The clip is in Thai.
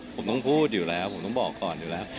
ผมต้องพูดอยู่แล้วผมต้องบอกก่อนอยู่แล้ว